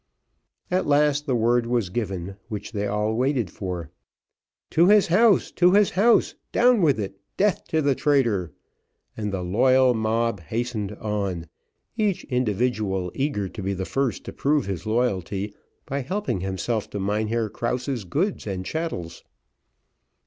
At last the word was given, which they all waited for. "To his house to his house down with it death to the traitor!" and the loyal mob hastened on, each individual eager to be first to prove his loyalty, by helping himself to Mynheer Krause's goods and chattels.